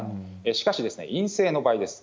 しかし陰性の場合です。